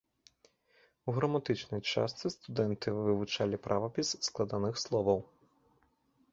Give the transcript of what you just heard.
У граматычнай частцы студэнты вывучалі правапіс складаных словаў.